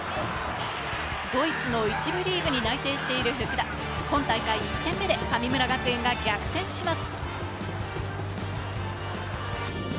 ドイツの１部リーグに内定している福田、今大会１点目で神村学園が逆転します。